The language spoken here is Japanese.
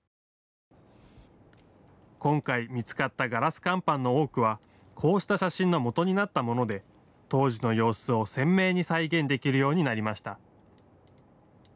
今回見つかったガラス乾板の多くはこうした写真のもとになったもので当時の様子を鮮明に再現できるようになりました。